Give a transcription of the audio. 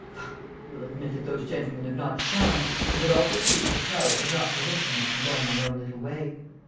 Pah, you'll admit that those gentlemen have not shone and that all their feats of prowess have not prevented me from going my own little way.